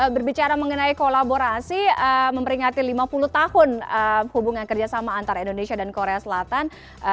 berbicara mengenai kolaborasi memperingati lima puluh tahun hubungan kerjasama antara indonesia dan korea selatan